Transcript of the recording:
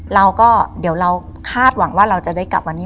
เราก็คาดหวังว่าเราจะได้กลับวันนี้